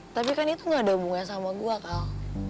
tapi kan itu gak ada hubungannya sama gua kal